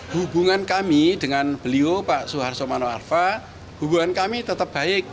hubungan kami dengan beliau pak soeharto mano arfa hubungan kami tetap baik